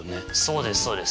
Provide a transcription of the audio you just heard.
そうですそうです。